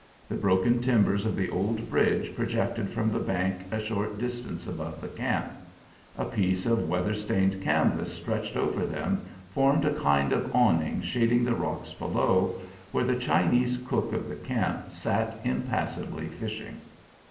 The broken timbers of the old bridge projected from the bank a short distance above the camp; a piece of weather stained canvas stretched over them formed a kind of awning shading the rocks below, where the Chinese cook of the camp sat impassively fishing.